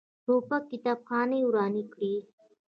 توپک کتابخانې ورانې کړي.